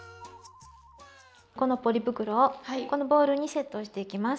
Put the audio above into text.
このポリ袋をこのボウルにセットしていきます。